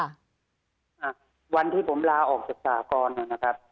อ่าวันที่ผมลาออกจากสากรนะครับ